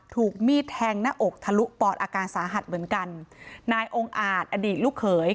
ถูกมีดแทงหน้าอกทะลุปอดอาการสาหัสเหมือนกันนายองค์อาจอดีตลูกเขย